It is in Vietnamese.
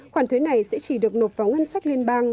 khoản thuế này sẽ chỉ được nộp vào ngân sách liên bang